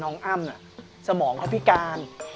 น้องอ้ำน่ะสมองเขาพิการ